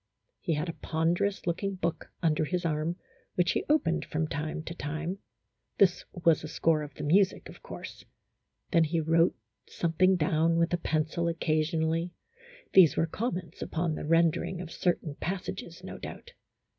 He had a pon derous looking book under his arm, which he opened from time to time, this was a score of the music, of course ; then he wrote something down with a pencil occasionally, these were comments upon the rendering of certain passages, no doubt.